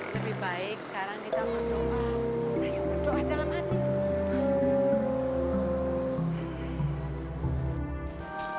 lebih baik sekarang kita berdoa